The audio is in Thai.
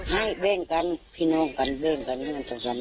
ให้เบ้งกันพี่น้องกันเบ้งกันมันจะทำอะไร